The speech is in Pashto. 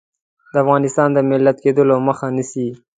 د افغانستان د ملت کېدلو مخه نیسي.